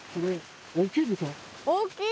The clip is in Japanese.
大っきい！